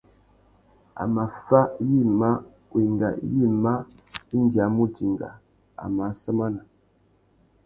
A mà fá yïmá, wenga yïmá indi a mù dinga, a mù assamana.